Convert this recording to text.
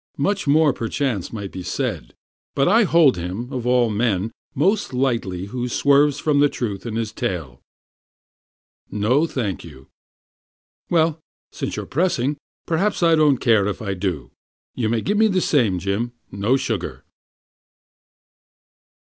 Much more, perchance, might be said; but I hold him, of all men, most lightly Who swerves from the truth in his tale No, thank you Well, since you are pressing, Perhaps I don't care if I do: you may give me the same, Jim, no sugar."